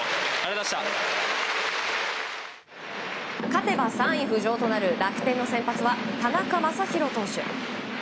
勝てば３位浮上となる楽天の先発は田中将大投手。